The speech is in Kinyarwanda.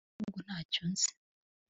unyigishe nubwo nta cyo nzi